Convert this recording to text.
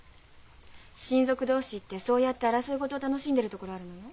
親族同士ってそうやって争い事を楽しんでるところあるのよ。